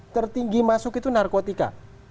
tertinggi masuk itu narkotika